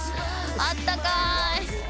あったかーい。